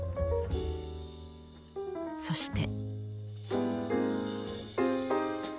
そして。